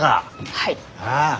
はい。